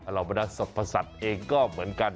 เรามันจะสรรพสัตว์เองก็เหมือนกัน